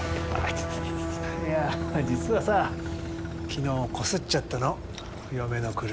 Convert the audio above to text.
いや実はさ昨日こすっちゃったの嫁の車。